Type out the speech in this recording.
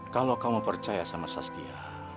kalau kamu percaya sama sastia